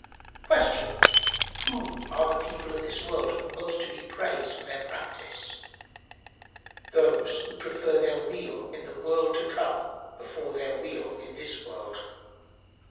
Q "Who are the people of this world most to be praised for their practice?"—"Those who prefer their weal in the world to come before their weal in this world."